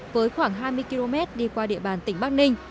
với khoảng hai mươi km đi qua địa bàn tỉnh bắc ninh